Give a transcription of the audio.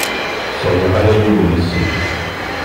Sɛiɣ ala yiwen n ssif.